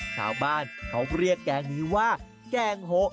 ชาวบ้านเขาเรียกแกงนี้ว่าแกงโหะ